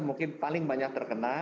mungkin paling banyak terkena